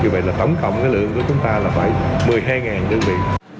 vậy là tổng cộng lượng của chúng ta là khoảng một mươi hai đơn vị